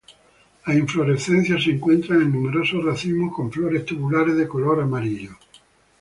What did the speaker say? Las inflorescencias se encuentran en numerosos racimos con flores tubulares de color amarillo.